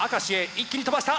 一気に飛ばした！